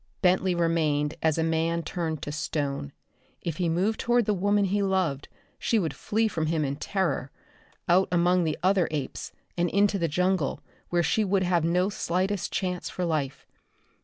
Bentley remained as a man turned to stone. If he moved toward the woman he loved she would flee from him in terror out among the other apes and into the jungle where she would have no slightest chance for life.